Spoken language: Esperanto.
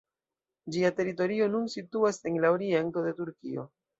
Ĝia teritorio nun situas en la oriento de Turkio.